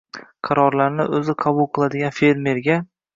Qarorlarni o‘zi qabul qiladigan fermerga.